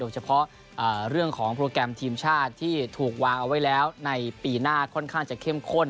เฉพาะเรื่องของโปรแกรมทีมชาติที่ถูกวางเอาไว้แล้วในปีหน้าค่อนข้างจะเข้มข้น